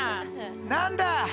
何だ。